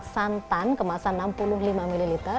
santan kemasan enam puluh lima ml